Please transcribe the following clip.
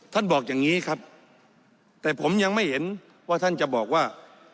บอกอย่างนี้ครับแต่ผมยังไม่เห็นว่าท่านจะบอกว่า